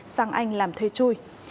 sang anh làm thuê chui